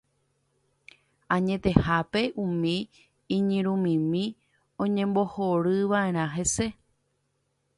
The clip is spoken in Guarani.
Añetehápe umi iñirũmimi oñembohorýmivaʼerã hese.